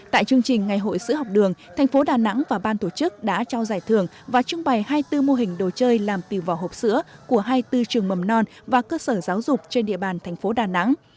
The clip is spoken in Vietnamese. tại chương trình ngày hội sữa học đường thành phố đà nẵng và ban tổ chức đã trao giải thưởng và trưng bày hai mươi bốn mô hình đồ chơi làm từ vỏ hộp sữa của hai mươi bốn trường mầm non và cơ sở giáo dục trên địa bàn thành phố đà nẵng